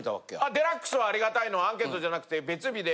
『ＤＸ』はありがたいのはアンケートじゃなくて別日で。